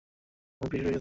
Movie শুরু হয়ে গেছে।